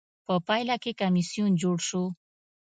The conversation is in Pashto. په پایله کې کمېسیون جوړ شو.